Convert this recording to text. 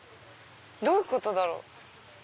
どういうことだろう？